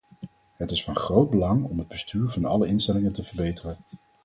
Het is van groot belang om het bestuur van alle instellingen te verbeteren.